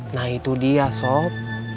nah itu dia sob